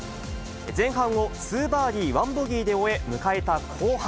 前半を２バーディー１ボギーで終え、迎えた後半。